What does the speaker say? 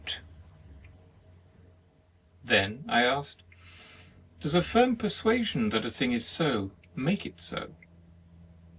'* Then I asked: "Does a firm per suasion that a thing is so, make it so?"